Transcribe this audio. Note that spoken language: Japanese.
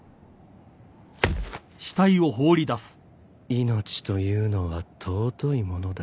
命というのは尊いものだ。